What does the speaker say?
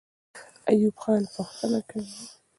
ایوب خان پوښتنه کوي.